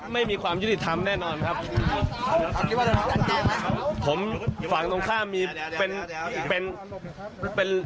ไม่มีความยุติธรรมแน่นอนครับผมฝั่งตรงข้ามมีเป็นเป็น